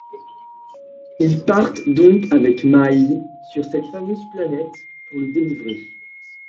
Ils partent donc avec Maï sur cette fameuse planète pour le délivrer.